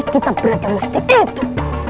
kita berajam musti itu